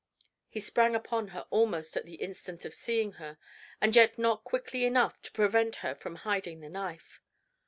He sprang upon her almost at the instant of seeing her, and yet not quickly enough to prevent her from hiding the knife.